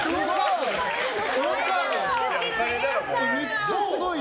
めっちゃすごいいい。